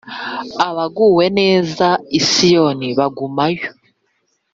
Abaguwe neza i siyoni bagumayo